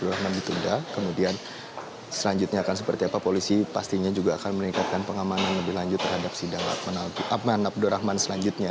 selanjutnya akan seperti apa polisi pastinya juga akan meningkatkan pengamanan lebih lanjut terhadap sidang abdurrahman selanjutnya